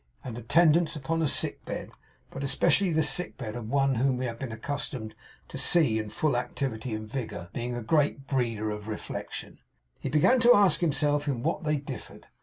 And attendance upon a sick bed, but especially the sick bed of one whom we have been accustomed to see in full activity and vigour, being a great breeder of reflection, he began to ask himself in what they differed.